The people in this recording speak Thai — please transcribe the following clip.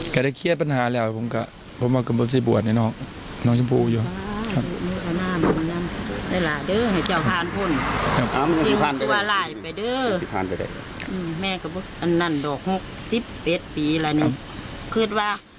ก็ได้เคลียดปัญหาแล้วผมก็ผมว่าก็มีบทสิทธิ์บวชในนอกน้องชมพูอยู่ครับ